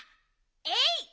えい！